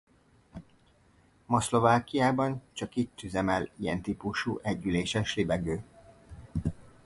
Ma Szlovákiában csak itt üzemel ilyen típusú együléses libegő.